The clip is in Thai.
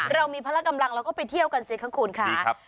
เรามีพละกำลังเราก็ไปเที่ยวกันสิคะคุณค่ะ